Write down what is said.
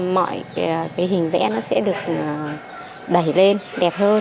mọi cái hình vẽ nó sẽ được đẩy lên đẹp hơn